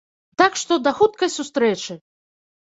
Так што да хуткай сустрэчы!